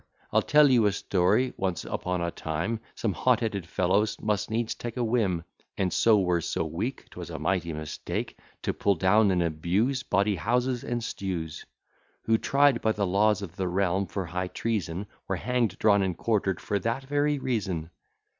I'll tell you a story: Once upon a time, Some hot headed fellows must needs take a whim, And so were so weak (Twas a mighty mistake) To pull down and abuse Bawdy houses and stews; Who, tried by the laws of the realm for high treason, Were hang'd, drawn, and quarter'd for that very reason.